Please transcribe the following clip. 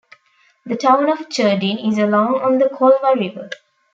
The town of Cherdyn is along on the Kolva River.